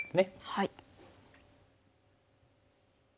はい。